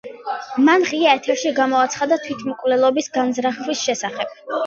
მან ღია ეთერში გამოაცხადა თვითმკვლელობის განზრახვის შესახებ.